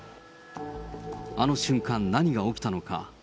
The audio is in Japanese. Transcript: あの瞬間、何が起きたのか。